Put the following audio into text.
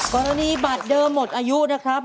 กรณีบัตรเดิมหมดอายุนะครับ